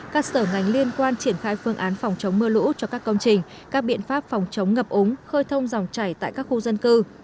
các sở ngành liên quan triển khai phương án phòng chống mưa lũ cho các công trình các biện pháp phòng chống ngập ống khơi thông dòng chảy tại các khu dân cư